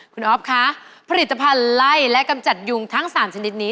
คุณอ๊อฟคะผลิตภัณฑ์ไล่และกำจัดยุงทั้ง๓ชนิดนี้